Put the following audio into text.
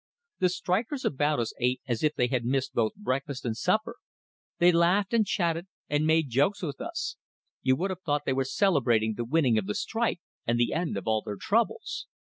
The strikers about us ate as if they had missed both breakfast and supper; they laughed and chatted and made jokes with us you would have thought they were celebrating the winning of the strike and the end of all their troubles.